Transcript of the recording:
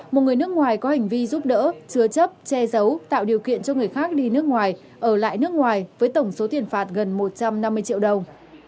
một người nước ngoài có hành vi giúp đỡ chứa chấp che giấu tạo điều kiện cho người khác đi nước ngoài ở lại nước ngoài với tổng số tiền phạt gần một trăm năm mươi triệu đồng